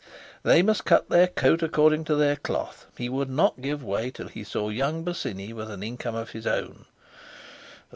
They must cut their coat according to their cloth. He would not give way till he saw young Bosinney with an income of his own.